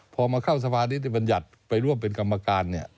พอมาเข้าสภานิติบัญญัติไปร่วมเป็นกรรมการเนี่ย